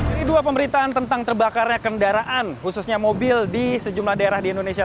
ini dua pemberitaan tentang terbakarnya kendaraan khususnya mobil di sejumlah daerah di indonesia